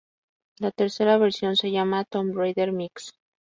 La tercera versión se llama "Tomb Raider Mix".